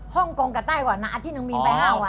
ฮ่องโกงกับไต้วันอาทิตย์นึงมีไปห้าวัน